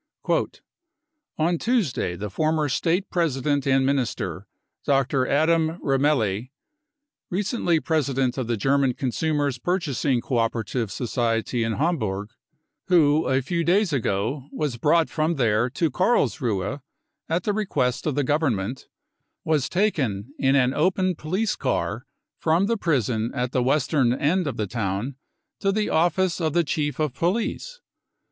55 u On Tuesday the former State president and Minister, Dr. Adam Remmele, recently president of the German Consumers' Purchasing Co operative Society in Ham burg, who a few days ago was brought from there to Karlsruhe at the request of the Government, was taken in an open police car from the prison at the western end of the town to the office of the chief of police.